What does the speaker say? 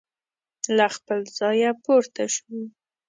له خپل ځایه پورته شو.